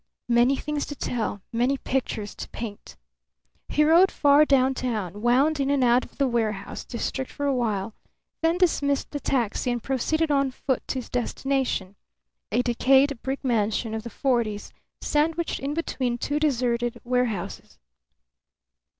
Many things to tell, many pictures to paint. He rode far downtown, wound in and out of the warehouse district for a while, then dismissed the taxi and proceeded on foot to his destination a decayed brick mansion of the 40's sandwiched in between two deserted warehouses.